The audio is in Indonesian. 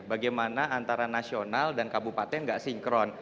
bagaimana antara nasional dan kabupaten nggak sinkron